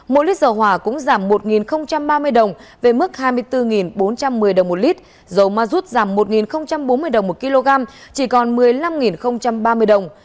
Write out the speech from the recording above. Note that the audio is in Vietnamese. mỗi lít dầu hỏa cũng giảm một ba mươi đồng về mức hai mươi bốn bốn trăm một mươi đồng một lít dầu ma rút giảm một bốn mươi đồng một kg chỉ còn một mươi năm ba mươi đồng